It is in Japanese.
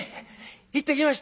「行ってきました」。